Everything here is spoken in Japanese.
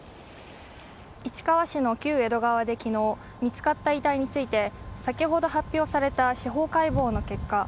市川市の旧江戸川で昨日、見つかった遺体について先ほど発表された司法解剖の結果